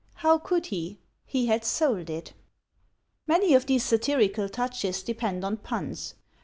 How could he? He had sold it!" Many of these satirical touches depend on puns.